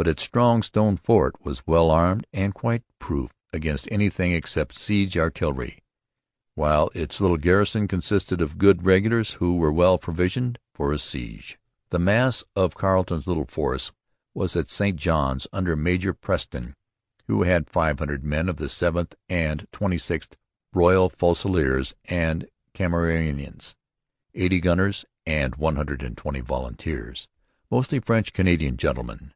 But its strong stone fort was well armed and quite proof against anything except siege artillery; while its little garrison consisted of good regulars who were well provisioned for a siege. The mass of Carleton's little force was at St Johns under Major Preston, who had 500 men of the 7th and 26th (Royal Fusiliers and Cameronians), 80 gunners, and 120 volunteers, mostly French Canadian gentlemen.